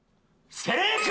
正解！